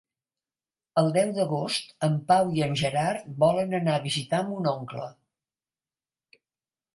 El deu d'agost en Pau i en Gerard volen anar a visitar mon oncle.